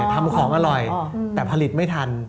ทำของอร่อยแต่ผลิตไม่ทัน